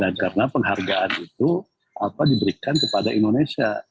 dan karena penghargaan itu diberikan kepada indonesia